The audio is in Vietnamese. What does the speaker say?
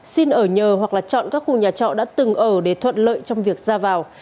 xin ở nhờ hoặc là chọn các khu nhà trọ đã từng ở để thuận lợi trong việc ra vào